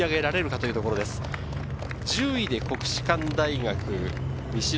１０位で国士舘大学。